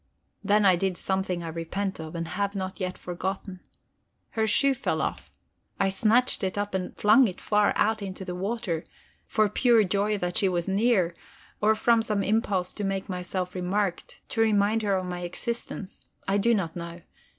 Then I did something I repent of, and have not yet forgotten. Her shoe fell off: I snatched it up and flung it far out into the water, for pure joy that she was near, or from some impulse to make myself remarked, to remind her of my existence I do not know.